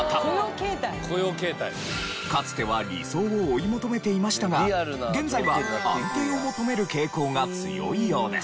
かつては理想を追い求めていましたが現在は安定を求める傾向が強いようです。